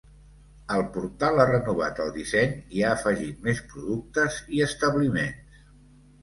El portal ha renovat el disseny, i ha afegit més productes i establiments.